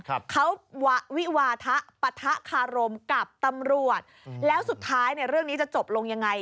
เขาวิวาทะปะทะคารมกับตำรวจแล้วสุดท้ายเนี่ยเรื่องนี้จะจบลงยังไง